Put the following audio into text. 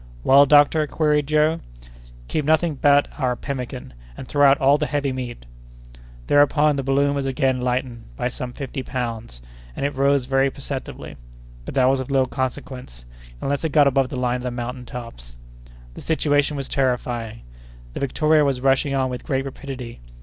"Well, doctor?" queried Joe. "Keep nothing but our pemmican, and throw out all the heavy meat." Thereupon the balloon was again lightened by some fifty pounds, and it rose very perceptibly, but that was of little consequence, unless it got above the line of the mountain tops. The situation was terrifying. The Victoria was rushing on with great rapidity.